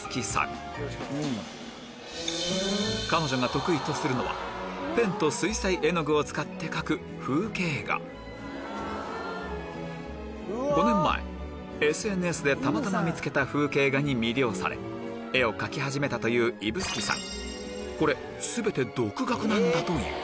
彼女が得意とするのはペンと水彩絵の具を使って描く５年前ＳＮＳでたまたま見つけた風景画に魅了され絵を描き始めたという指宿さん